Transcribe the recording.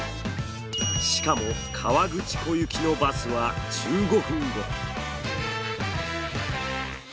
しかも河口湖行きのバスは１５分後。